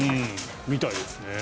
みたいですね。